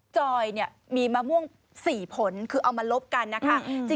จอยเนี่ยมีมะม่วง๔ผลคือเอามาลบกันนะคะ